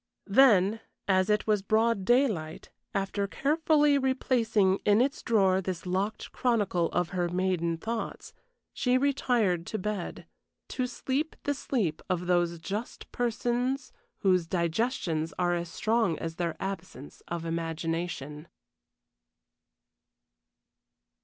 Then, as it was broad daylight, after carefully replacing in its drawer this locked chronicle of her maiden thoughts, she retired to bed, to sleep the sleep of those just persons whose digestions are as strong as their absence of imagination.